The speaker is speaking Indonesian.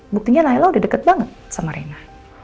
buktinya layla udah deket banget sama rena